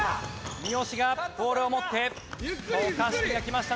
三好がボールを持って渡嘉敷が来ました。